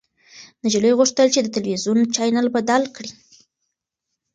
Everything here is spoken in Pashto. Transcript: نجلۍ غوښتل چې د تلويزيون چاینل بدل کړي.